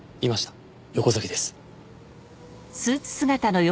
横崎です。